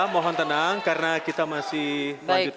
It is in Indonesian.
mohon tenang karena kita masih lanjutkan sesi debat